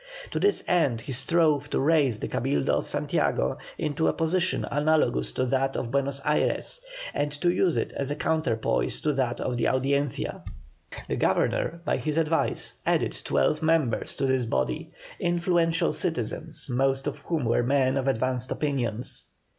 To this end he strove to raise the Cabildo of Santiago into a position analogous to that of Buenos Ayres, and to use it as a counterpoise to that of the Audiencia. The Governor, by his advice, added twelve new members to this body, influential citizens, most of whom were men of advanced opinions.